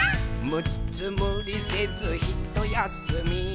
「むっつむりせずひとやすみ」